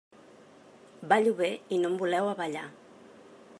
Ballo bé i no em voleu a ballar.